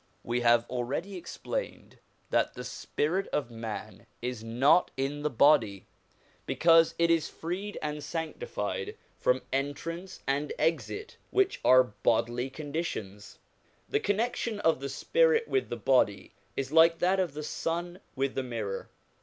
We have already explained that the spirit of man is 266 SOME ANSWERED QUESTIONS not in the body, because it is freed and sanctified from entrance and exit, which are bodily conditions. The connection of the spirit with the body is like that of the sun with the mirror.